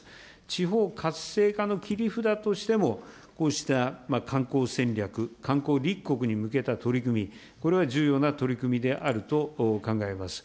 地方活性化の切り札としても、こうした観光戦略、観光立国に向けた取り組み、これは重要な取り組みであると考えます。